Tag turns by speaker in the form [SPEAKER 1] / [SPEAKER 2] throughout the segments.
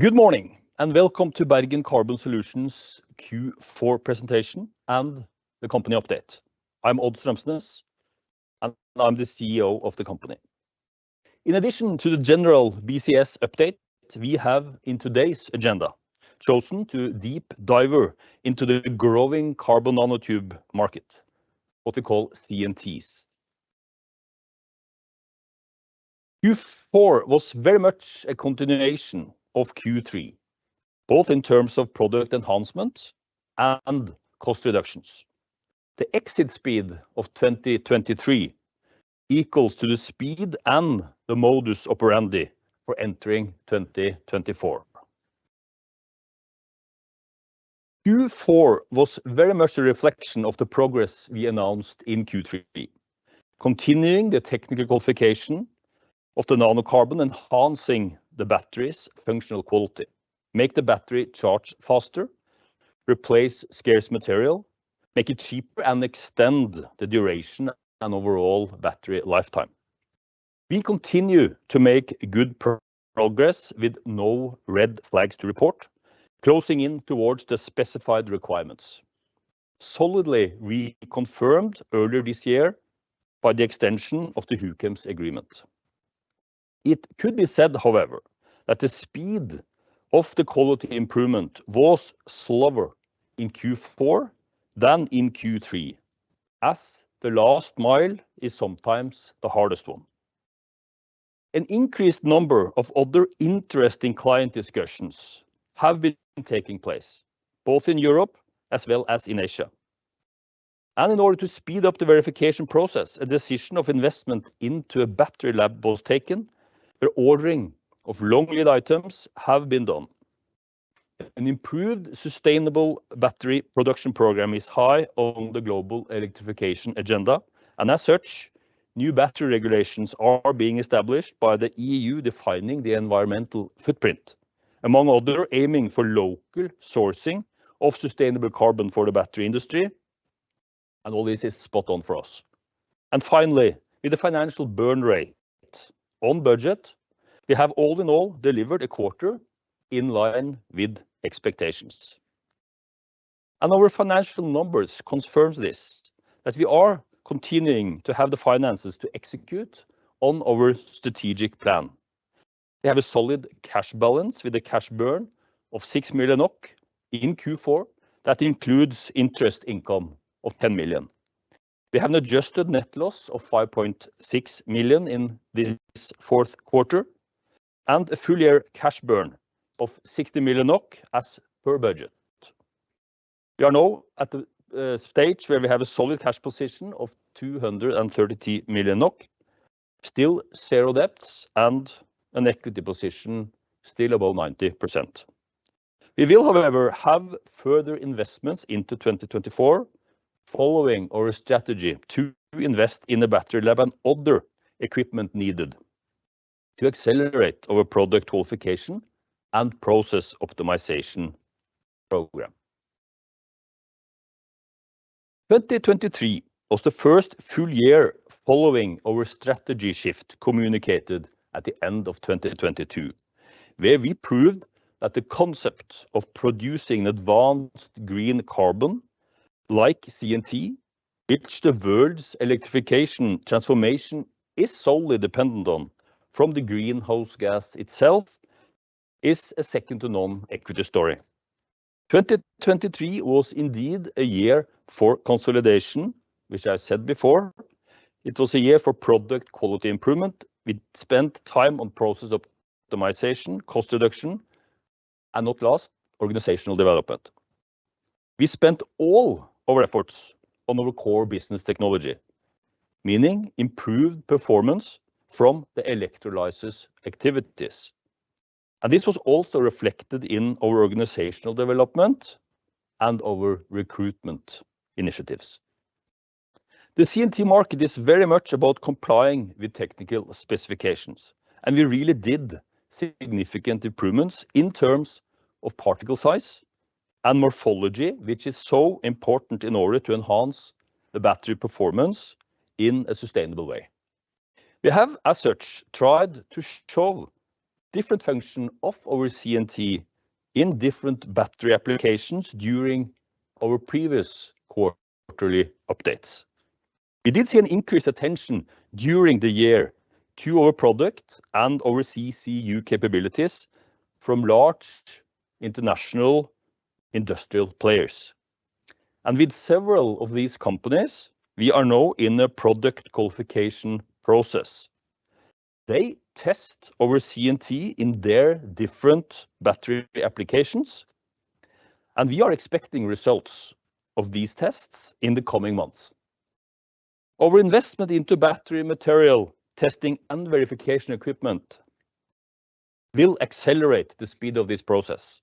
[SPEAKER 1] Good morning, and welcome to Bergen Carbon Solutions Q4 presentation and the company update. I'm Odd Strømsnes, and I'm the CEO of the company. In addition to the general BCS update, we have in today's agenda chosen to deep dive into the growing carbon nanotube market, what we call CNTs. Q4 was very much a continuation of Q3, both in terms of product enhancement and cost reductions. The exit speed of 2023 equals to the speed and the modus operandi for entering 2024. Q4 was very much a reflection of the progress we announced in Q3, continuing the technical qualification of the nanocarbon, enhancing the battery's functional quality, make the battery charge faster, replace scarce material, make it cheaper, and extend the duration and overall battery lifetime. We continue to make good progress with no red flags to report, closing in towards the specified requirements. Solidly, we confirmed earlier this year by the extension of the Huchems agreement. It could be said, however, that the speed of the quality improvement was slower in Q4 than in Q3, as the last mile is sometimes the hardest one. An increased number of other interesting client discussions have been taking place, both in Europe as well as in Asia. In order to speed up the verification process, a decision of investment into a battery lab was taken, where ordering of long-lead items have been done. An improved sustainable battery production program is high on the global electrification agenda, and as such, new battery regulations are being established by the EU, defining the environmental footprint. Among other, aiming for local sourcing of sustainable carbon for the battery industry, and all this is spot on for us. And finally, with the financial burn rate on budget, we have all in all delivered a quarter in line with expectations. And our financial numbers confirms this, that we are continuing to have the finances to execute on our strategic plan. We have a solid cash balance with a cash burn of 6 million NOK in Q4. That includes interest income of 10 million. We have an adjusted net loss of 5.6 million in this fourth quarter and a full-year cash burn of 60 million NOK as per budget. We are now at the stage where we have a solid cash position of 230 million NOK, still zero debts and an equity position still above 90%. We will, however, have further investments into 2024, following our strategy to invest in the battery lab and other equipment needed to accelerate our product qualification and process optimization program. 2023 was the first full year following our strategy shift, communicated at the end of 2022, where we proved that the concept of producing advanced green carbon, like CNT, which the world's electrification transformation is solely dependent on from the greenhouse gas itself, is a second-to-none equity story. 2023 was indeed a year for consolidation, which I said before. It was a year for product quality improvement. We spent time on process optimization, cost reduction, and not last, organizational development. We spent all our efforts on our core business technology, meaning improved performance from the electrolysis activities, and this was also reflected in our organizational development and our recruitment initiatives. The CNT market is very much about complying with technical specifications, and we really did significant improvements in terms of particle size and morphology, which is so important in order to enhance the battery performance in a sustainable way. We have, as such, tried to show different function of our CNT in different battery applications during our previous quarterly updates. We did see an increased attention during the year to our product and our CCU capabilities from large international industrial players. With several of these companies, we are now in a product qualification process. They test our CNT in their different battery applications, and we are expecting results of these tests in the coming months. Our investment into battery material, testing, and verification equipment will accelerate the speed of this process.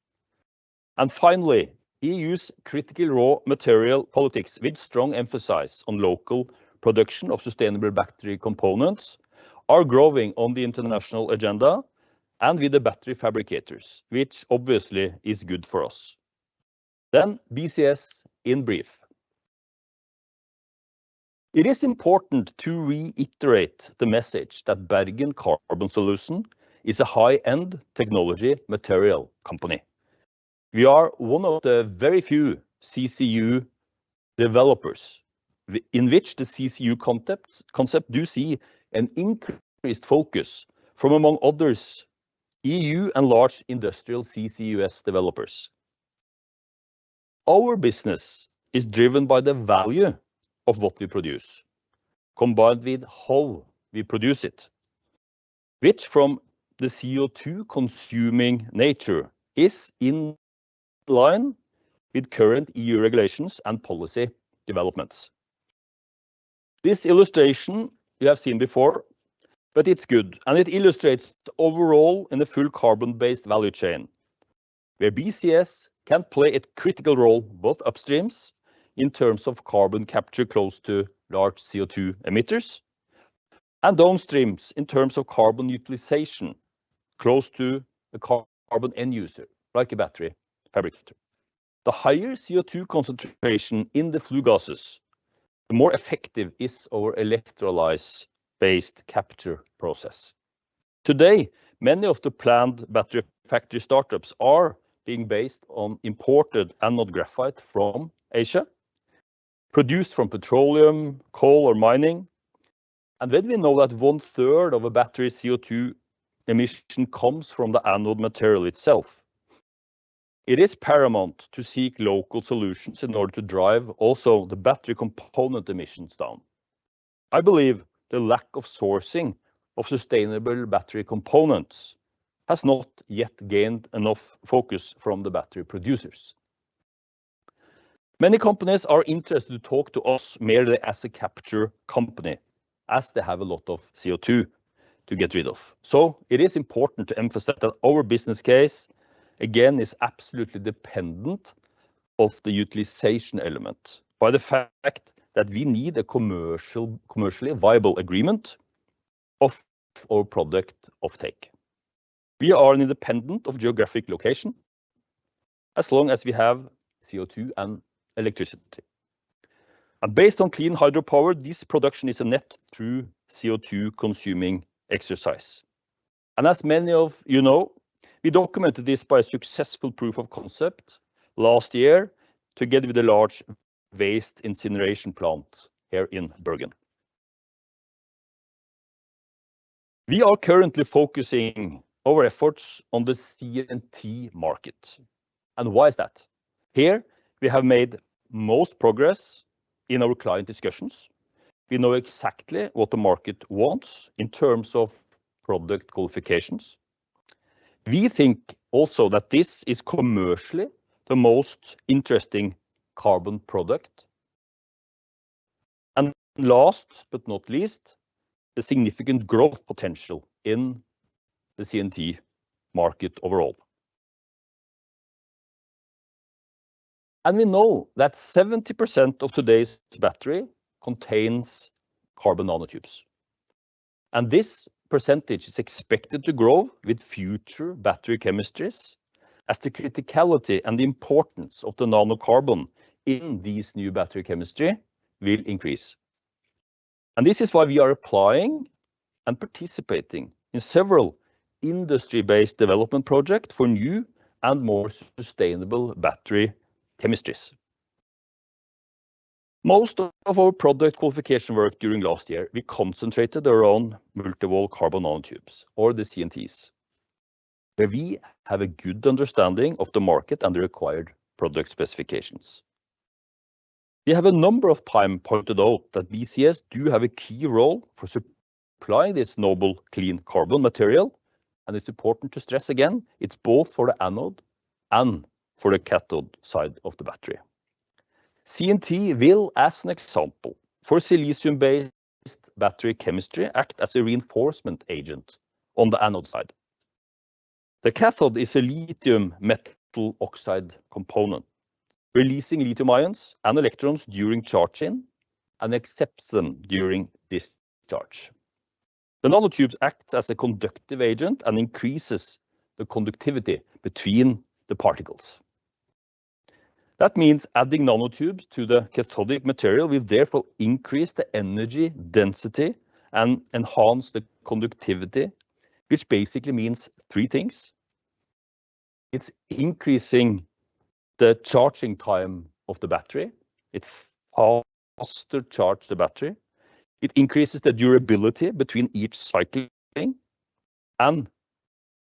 [SPEAKER 1] Finally, EU's critical raw material policy, with strong emphasis on local production of sustainable battery components, are growing on the international agenda and with the battery fabricators, which obviously is good for us. BCS in brief. It is important to reiterate the message that Bergen Carbon Solutions is a high-end technology material company. We are one of the very few CCU developers, in which the CCU concept do see an increased focus from, among others, EU and large industrial CCUS developers. Our business is driven by the value of what we produce, combined with how we produce it, which from the CO₂-consuming nature, is in line with current EU regulations and policy developments. This illustration you have seen before, but it's good, and it illustrates the overall in the full carbon-based value chain, where BCS can play a critical role, both upstreams, in terms of carbon capture close to large CO₂ emitters, and downstreams, in terms of carbon utilization, close to the carbon end user, like a battery fabricator. The higher CO₂ concentration in the flue gases, the more effective is our electrolysis-based capture process. Today, many of the planned battery factory startups are being based on imported anode graphite from Asia, produced from petroleum, coal, or mining. When we know that one third of a battery CO₂ emission comes from the anode material itself, it is paramount to seek local solutions in order to drive also the battery component emissions down. I believe the lack of sourcing of sustainable battery components has not yet gained enough focus from the battery producers. Many companies are interested to talk to us merely as a capture company, as they have a lot of CO₂ to get rid of. So it is important to emphasize that our business case, again, is absolutely dependent of the utilization element, by the fact that we need a commercially viable agreement of our product offtake. We are independent of geographic location, as long as we have CO₂ and electricity. Based on clean hydropower, this production is a net true CO₂-consuming exercise. As many of you know, we documented this by a successful proof of concept last year, together with a large waste incineration plant here in Bergen. We are currently focusing our efforts on the CNT market. Why is that? Here, we have made most progress in our client discussions. We know exactly what the market wants in terms of product qualifications. We think also that this is commercially the most interesting carbon product, and last but not least, the significant growth potential in the CNT market overall. We know that 70% of today's battery contains carbon nanotubes, and this percentage is expected to grow with future battery chemistries, as the criticality and the importance of the nanocarbon in these new battery chemistry will increase. This is why we are applying and participating in several industry-based development project for new and more sustainable battery chemistries. Most of our product qualification work during last year, we concentrated around multi-wall carbon nanotubes, or the CNTs, where we have a good understanding of the market and the required product specifications. We have a number of times pointed out that BCS do have a key role for supplying this noble, clean carbon material, and it's important to stress again, it's both for the anode and for the cathode side of the battery. CNT will, as an example, for silicon-based battery chemistry, act as a reinforcement agent on the anode side. The cathode is a lithium metal oxide component, releasing lithium ions and electrons during charging and accepts them during discharge. The nanotubes acts as a conductive agent and increases the conductivity between the particles. That means adding nanotubes to the cathodic material will therefore increase the energy, density, and enhance the conductivity, which basically means three things: it's increasing the charging time of the battery, it faster charge the battery, it increases the durability between each cycling, and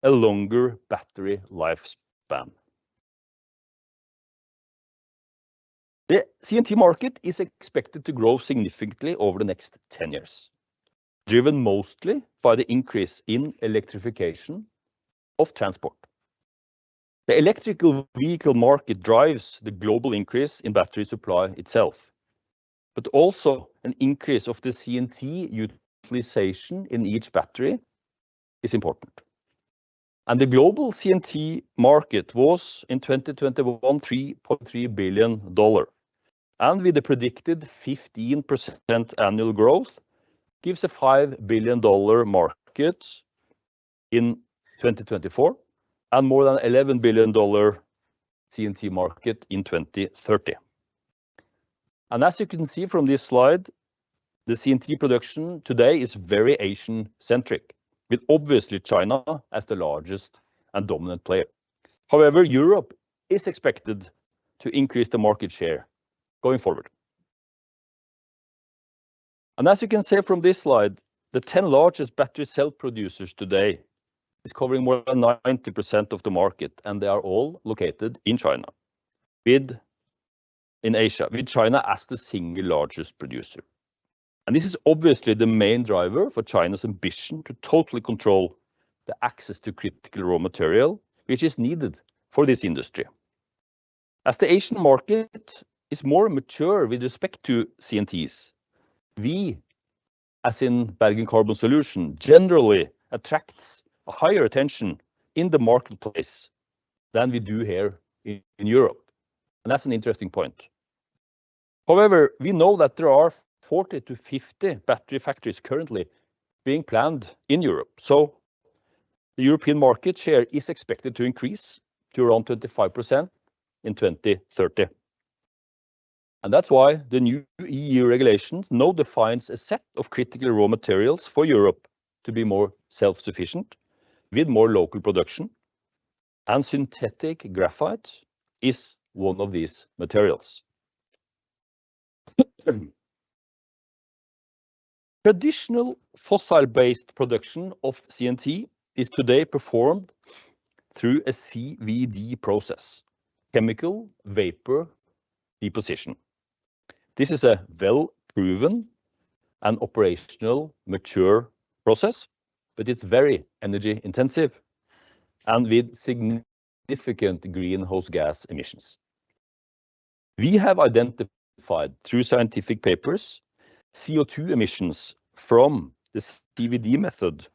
[SPEAKER 1] a longer battery lifespan. The CNT market is expected to grow significantly over the next 10 years, driven mostly by the increase in electrification of transport. The electrical vehicle market drives the global increase in battery supply itself, but also an increase of the CNT utilization in each battery is important. The global CNT market was, in 2021, $3.3 billion, and with the predicted 15% annual growth, gives a $5 billion market in 2024, and more than $11 billion CNT market in 2030. As you can see from this slide, the CNT production today is very Asian-centric, with obviously China as the largest and dominant player. However, Europe is expected to increase the market share going forward. As you can see from this slide, the 10 largest battery cell producers today is covering more than 90% of the market, and they are all located in China, with in Asia, with China as the single largest producer. This is obviously the main driver for China's ambition to totally control the access to critical raw material, which is needed for this industry. As the Asian market is more mature with respect to CNTs, we, as in Bergen Carbon Solutions, generally attracts a higher attention in the marketplace than we do here in Europe, and that's an interesting point. However, we know that there are 40-50 battery factories currently being planned in Europe, so the European market share is expected to increase to around 25% in 2030. That's why the new EU regulations now defines a set of critical raw materials for Europe to be more self-sufficient, with more local production, and synthetic graphite is one of these materials. Traditional fossil-based production of CNT is today performed through a CVD process, chemical vapor deposition. This is a well-proven and operational mature process, but it's very energy intensive and with significant greenhouse gas emissions. We have identified, through scientific papers, CO2 emissions from this CVD method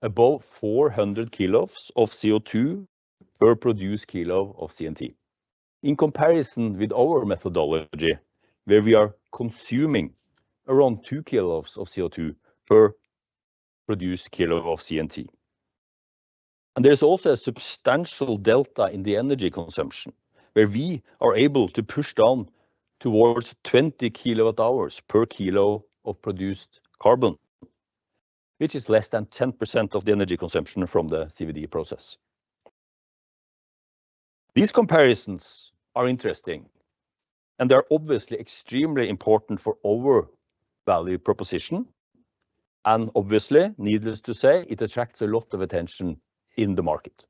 [SPEAKER 1] above 400 kilos of CO2 per produced kilo of CNT. In comparison with our methodology, where we are consuming around 2 kilos of CO2 per produced kilo of CNT. And there's also a substantial delta in the energy consumption, where we are able to push down towards 20 kWh per kilo of produced carbon, which is less than 10% of the energy consumption from the CVD process. These comparisons are interesting, and they are obviously extremely important for our value proposition, and obviously, needless to say, it attracts a lot of attention in the market.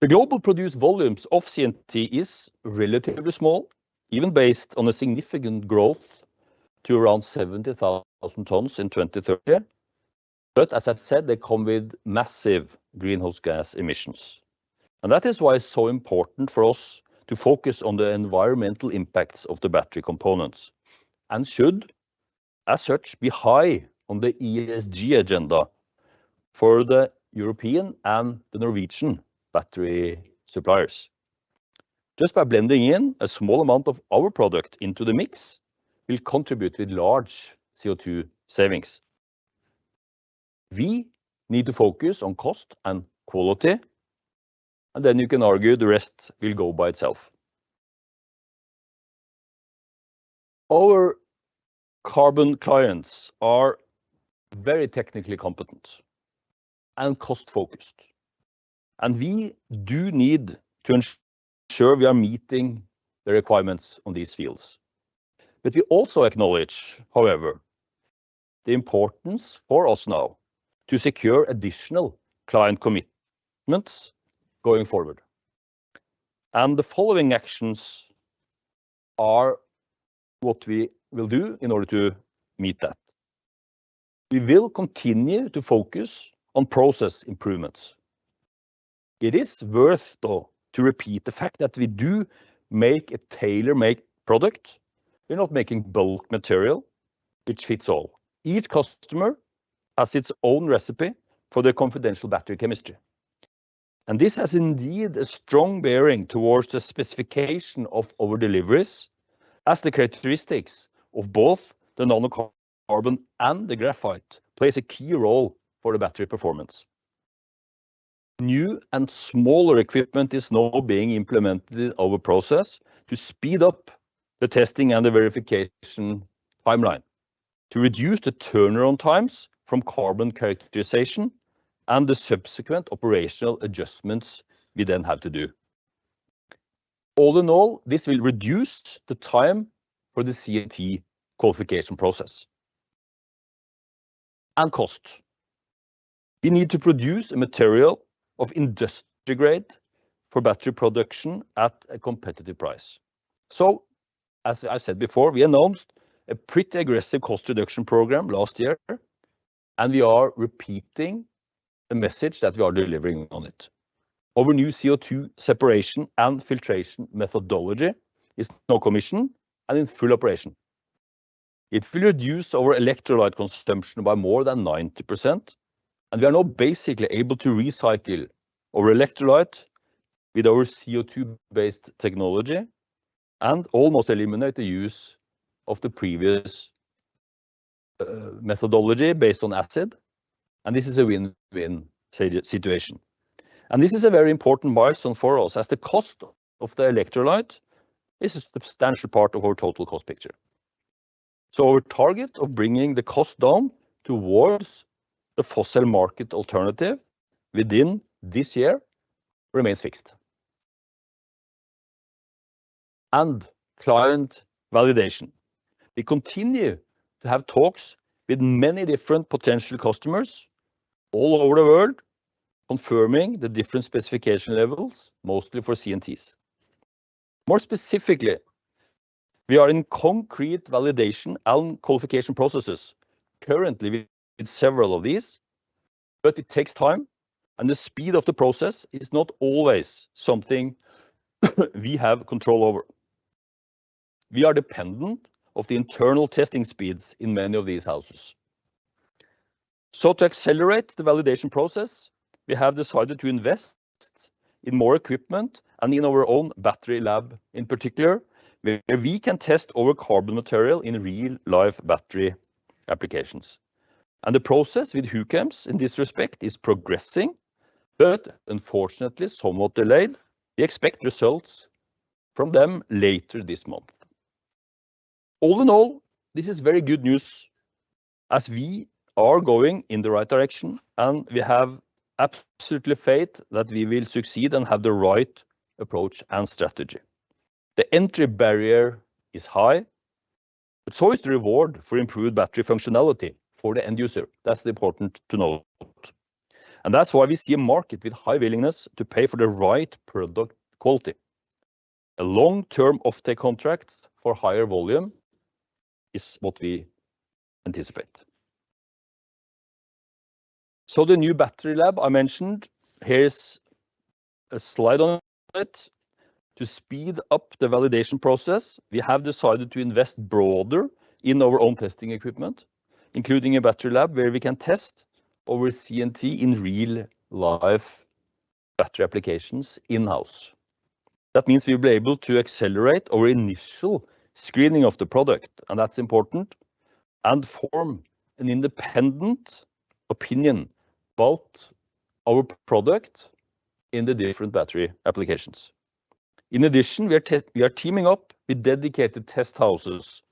[SPEAKER 1] The global produced volumes of CNT is relatively small, even based on a significant growth to around 70,000 tons in 2030. But as I said, they come with massive greenhouse gas emissions, and that is why it's so important for us to focus on the environmental impacts of the battery components, and should, as such, be high on the ESG agenda for the European and the Norwegian battery suppliers. Just by blending in a small amount of our product into the mix, will contribute with large CO2 savings. We need to focus on cost and quality, and then you can argue the rest will go by itself. Our carbon clients are very technically competent and cost-focused, and we do need to ensure we are meeting the requirements on these fields. But we also acknowledge, however, the importance for us now to secure additional client commitments going forward. The following actions are what we will do in order to meet that. We will continue to focus on process improvements. It is worth, though, to repeat the fact that we do make a tailor-made product. We're not making bulk material, which fits all. Each customer has its own recipe for their confidential battery chemistry, and this has indeed a strong bearing towards the specification of our deliveries, as the characteristics of both the nanocarbon and the graphite plays a key role for the battery performance. New and smaller equipment is now being implemented in our process to speed up the testing and the verification timeline, to reduce the turnaround times from carbon characterization and the subsequent operational adjustments we then have to do. All in all, this will reduce the time for the CNT qualification process. And cost. We need to produce a material of industry grade for battery production at a competitive price. So, as I said before, we announced a pretty aggressive cost reduction program last year, and we are repeating the message that we are delivering on it. Our new CO2 separation and filtration methodology is now commissioned and in full operation. It will reduce our electrolyte consumption by more than 90%, and we are now basically able to recycle our electrolyte with our CO2-based technology. and almost eliminate the use of the previous methodology based on acid, and this is a win-win situation. This is a very important milestone for us, as the cost of the electrolyte is a substantial part of our total cost picture. Our target of bringing the cost down towards the fossil market alternative within this year remains fixed. Client validation. We continue to have talks with many different potential customers all over the world, confirming the different specification levels, mostly for CNTs. More specifically, we are in concrete validation and qualification processes. Currently, we with several of these, but it takes time, and the speed of the process is not always something we have control over. We are dependent of the internal testing speeds in many of these houses. To accelerate the validation process, we have decided to invest in more equipment and in our own battery lab, in particular, where we can test our carbon material in real-life battery applications. The process with TKG Huchems in this respect is progressing, but unfortunately, somewhat delayed. We expect results from them later this month. All in all, this is very good news, as we are going in the right direction, and we have absolutely faith that we will succeed and have the right approach and strategy. The entry barrier is high, but so is the reward for improved battery functionality for the end user. That's important to note, and that's why we see a market with high willingness to pay for the right product quality. A long-term offtake contract for higher volume is what we anticipate. The new battery lab I mentioned, here is a slide on it. To speed up the validation process, we have decided to invest broader in our own testing equipment, including a battery lab where we can test our CNT in real-life battery applications in-house. That means we'll be able to accelerate our initial screening of the product, and that's important, and form an independent opinion about our product in the different battery applications. In addition, we are teaming up with dedicated test houses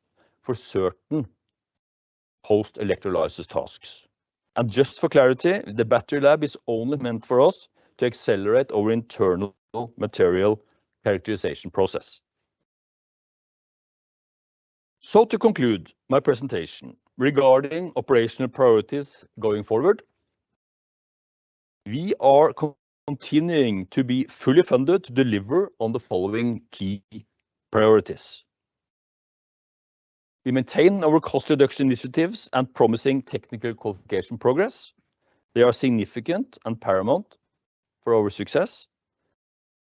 [SPEAKER 1] for certain post-electrolyzer tasks. And just for clarity, the battery lab is only meant for us to accelerate our internal material characterization process. So to conclude my presentation regarding operational priorities going forward, we are continuing to be fully funded to deliver on the following key priorities: We maintain our cost reduction initiatives and promising technical qualification progress. They are significant and paramount for our success.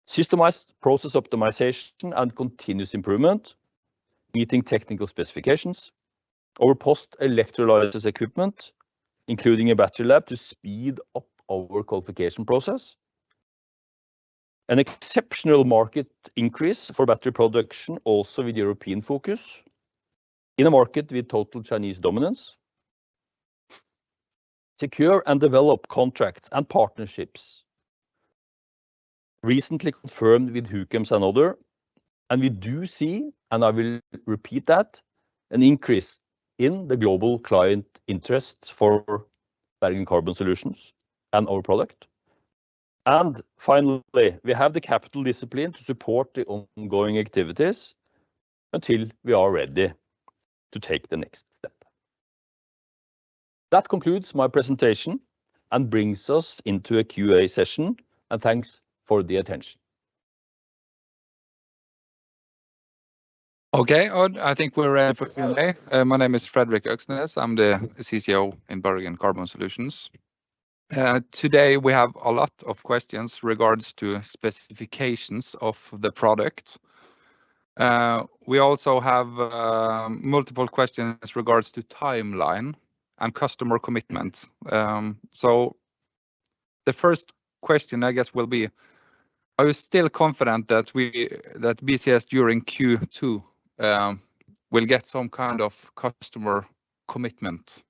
[SPEAKER 1] Systemized process optimization and continuous improvement, meeting technical specifications. Our post-electrolyzer equipment, including a battery lab, to speed up our qualification process. An exceptional market increase for battery production, also with European focus, in a market with total Chinese dominance. Secure and develop contracts and partnerships, recently confirmed with Huchems and other. And we do see, and I will repeat that, an increase in the global client interest for Bergen Carbon Solutions and our product. And finally, we have the capital discipline to support the ongoing activities until we are ready to take the next step. That concludes my presentation and brings us into a Q&A session, and thanks for the attention.
[SPEAKER 2] Okay, I think we're ready for Q&A. My name is Fredrik Øksnes. I'm the CCO in Bergen Carbon Solutions. Today we have a lot of questions regards to specifications of the product. We also have multiple questions regards to timeline and customer commitments. So the first question, I guess, will be: are you still confident that BCS, during Q2, will get some kind of customer commitment?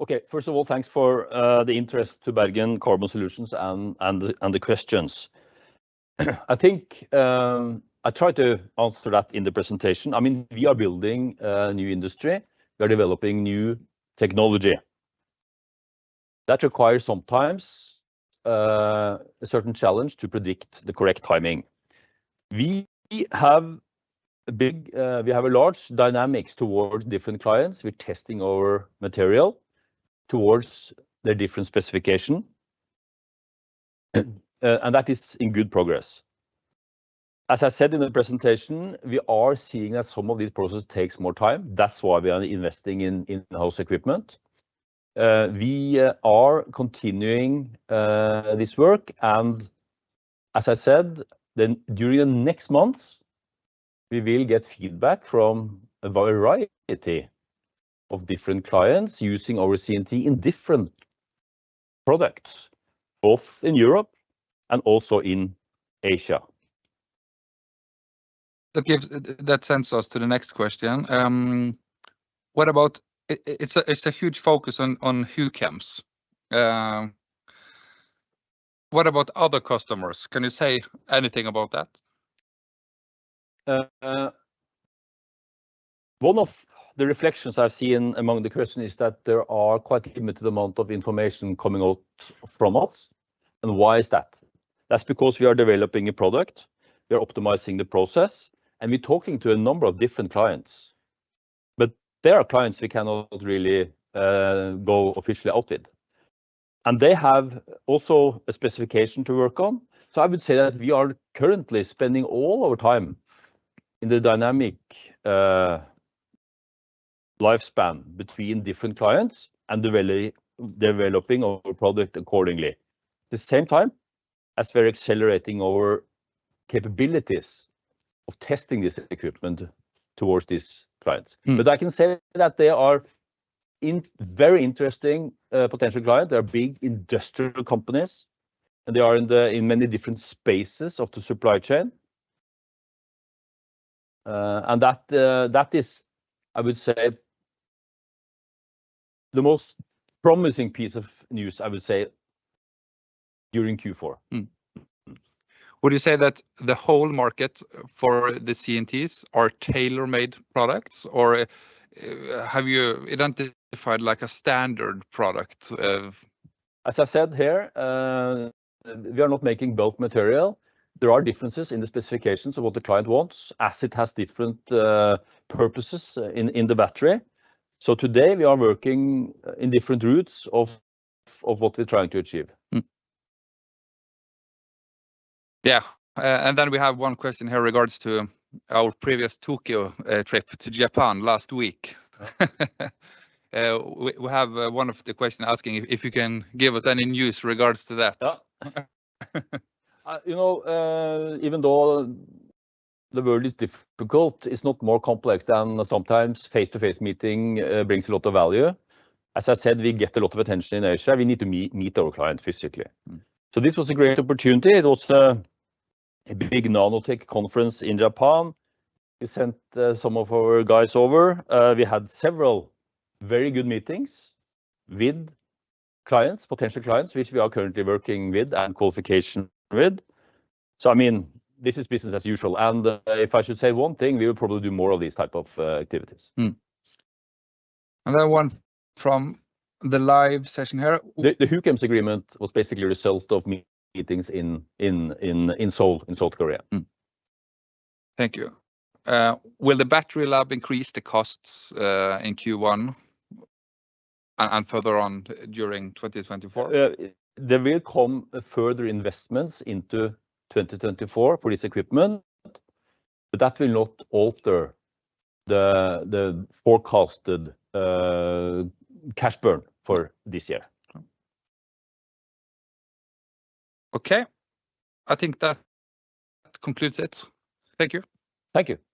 [SPEAKER 1] Okay, first of all, thanks for the interest to Bergen Carbon Solutions and the questions. I think I tried to answer that in the presentation. I mean, we are building a new industry. We are developing new technology. That requires sometimes a certain challenge to predict the correct timing. We have a big we have a large dynamics towards different clients. We're testing our material towards the different specification and that is in good progress. As I said in the presentation, we are seeing that some of these processes takes more time. That's why we are investing in in-house equipment. We are continuing this work, and as I said, then, during the next months, we will get feedback from a variety of different clients using our CNT in different products, both in Europe and also in Asia.
[SPEAKER 2] That sends us to the next question. What about? It's a huge focus on Huchems. What about other customers? Can you say anything about that?
[SPEAKER 1] One of the reflections I've seen among the question is that there are quite a limited amount of information coming out from us, and why is that? That's because we are developing a product, we are optimizing the process, and we're talking to a number of different clients. But there are clients we cannot really go officially out with, and they have also a specification to work on. So I would say that we are currently spending all our time in the dynamic lifespan between different clients and developing our product accordingly. At the same time, as we're accelerating our capabilities of testing this equipment towards these clients.
[SPEAKER 2] Mm.
[SPEAKER 1] But I can say that they are very interesting potential client. They are big industrial companies, and they are in many different spaces of the supply chain. And that is, I would say, the most promising piece of news, I would say, during Q4.
[SPEAKER 2] Mm. Would you say that the whole market for the CNTs are tailor-made products, or have you identified, like, a standard product?
[SPEAKER 1] As I said here, we are not making bulk material. There are differences in the specifications of what the client wants, as it has different purposes in the battery. So today we are working in different routes of what we're trying to achieve.
[SPEAKER 2] Yeah, and then we have one question here regards to our previous Tokyo trip to Japan last week. We have one of the question asking if you can give us any news regards to that?
[SPEAKER 1] Yeah. You know, even though the world is difficult, it's not more complex than sometimes face-to-face meeting brings a lot of value. As I said, we get a lot of attention in Asia. We need to meet our clients physically.
[SPEAKER 2] Mm.
[SPEAKER 1] So this was a great opportunity. It was, a big nanotech conference in Japan. We sent, some of our guys over. We had several very good meetings with clients, potential clients, which we are currently working with and qualification with. So, I mean, this is business as usual, and, if I should say one thing, we will probably do more of these type of, activities.
[SPEAKER 2] Mm. Another one from the live session here-
[SPEAKER 1] The Huchems' agreement was basically a result of my meetings in Seoul, in South Korea.
[SPEAKER 2] Thank you. Will the battery lab increase the costs in Q1 and further on during 2024?
[SPEAKER 1] Yeah, there will come further investments into 2024 for this equipment, but that will not alter the forecasted cash burn for this year.
[SPEAKER 2] Okay. I think that concludes it. Thank you.
[SPEAKER 1] Thank you.